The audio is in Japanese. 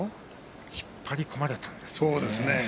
引っ張り込まれたんですね。